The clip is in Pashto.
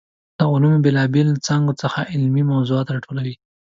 د علومو بېلا بېلو څانګو څخه علمي موضوعات راټولوي.